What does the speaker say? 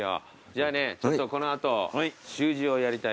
じゃあねちょっとこの後習字をやりたいなと。